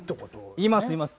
いますいます。